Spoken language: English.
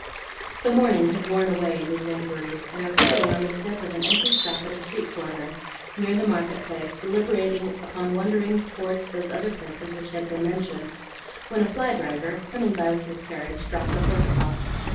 The morning had worn away in these inquiries, and I was sitting on the step of an empty shop at a street corner, near the market place, deliberating upon wandering towards those other places which had been mentioned, when a fly driver, coming by with his carriage, dropped a horsecloth.